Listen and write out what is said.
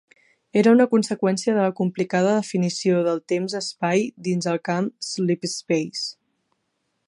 Era una conseqüència de la complicada definició del temps-espai dins el camp "slipspace".